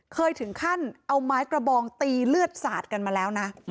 เคยถึงขั้นเอาไม้กระบองตีเลือดสาดกันมาแล้วนะ